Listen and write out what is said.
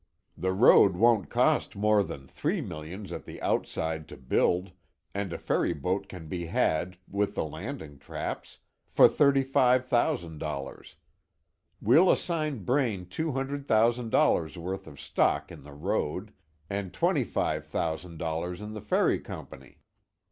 The road won't cost more than three millions at the outside to build, and a ferry boat can be had, with the landing traps, for thirty five thousand dollars. We'll assign Braine two hundred thousand dollars' worth of stock in the road, and twenty five thousand dollars in the ferry company.